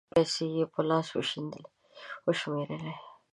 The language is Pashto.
پېسې یې په لاس و شمېرلې